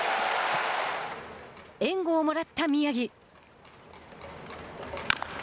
援護をもらった宮城。